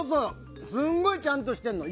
すごいちゃんとしてるの。